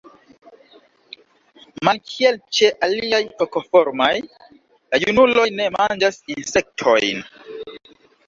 Malkiel ĉe aliaj kokoformaj, la junuloj ne manĝas insektojn.